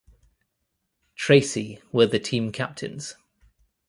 Tracey were the team captains.